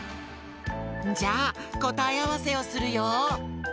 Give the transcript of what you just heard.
じゃあこたえあわせをするよ。